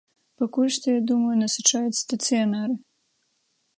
Пакуль што, я думаю, насычаюць стацыянары.